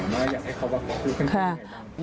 อยากให้เขาบอกว่าคุณป้าอย่างไรบ้าง